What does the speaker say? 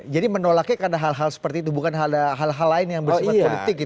jadi menolaknya karena hal hal seperti itu bukan hal hal lain yang bersifat kritik gitu